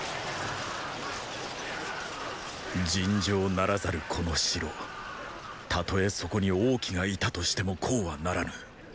尋常ならざるこの城たとえそこに王騎がいたとしてもこうはならぬ。